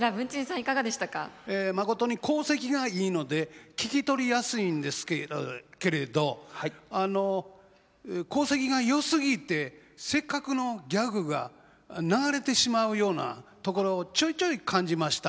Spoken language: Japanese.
まことに口跡がいいので聞き取りやすいんですけれどあの口跡がよすぎてせっかくのギャグが流れてしまうようなところをちょいちょい感じました。